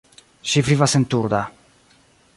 Ŝi vivas en Turda.